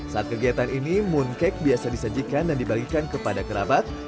saat kegiatan ini mooncake biasa disajikan dan dibagikan kepada kerabat